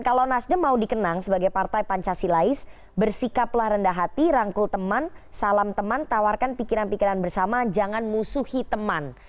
kalau nasdem mau dikenang sebagai partai pancasilais bersikaplah rendah hati rangkul teman salam teman tawarkan pikiran pikiran bersama jangan musuhi teman